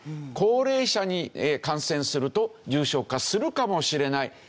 高齢者に感染すると重症化するかもしれない。